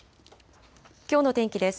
きょうの天気です。